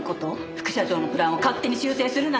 副社長のプランを勝手に修正するなんて。